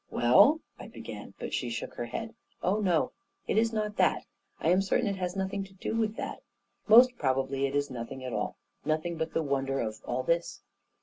" Well," I began ; but she shook her head. " Oh, no ; it is not that 1 I am certain it has noth ing to do with that 1 Most probably, it is nothing at all — nothing but the wonder of all this."